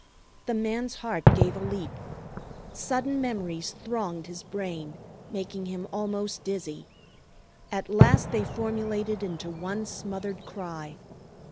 The man's heart gave a leap. Sudden memories thronged his brain, making him almost dizzy. At last they formulated into one smothered cry.